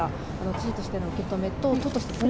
知事としての受け止めと、都としての。